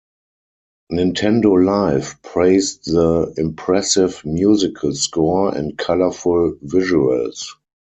Nintendo Life praised the "impressive" musical score and "colorful" visuals.